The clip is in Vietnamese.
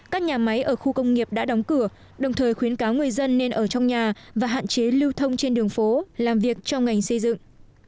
các nhà máy ở khu công nghiệp đã đóng cửa đồng thời khuyến cáo người dân nên ở trong nhà và hạn chế lưu thông trên đường phố làm việc trong ngành xây dựng